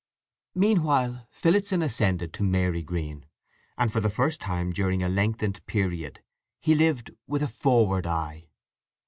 Meanwhile Phillotson ascended to Marygreen, and for the first time during a lengthened period he lived with a forward eye.